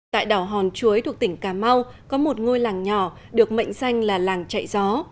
tại đảo hòn chuối thuộc tỉnh cà mau có một ngôi làng nhỏ được mệnh danh là làng chạy gió